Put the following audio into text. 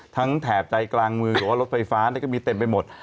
แถบใจกลางเมืองหรือว่ารถไฟฟ้าก็มีเต็มไปหมด